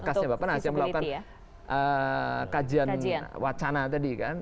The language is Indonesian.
kasnya bapak nas yang melakukan kajian wacana tadi kan